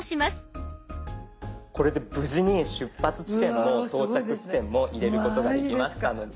これで無事に出発地点と到着地点も入れることができましたので。